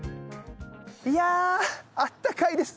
いやあったかいです。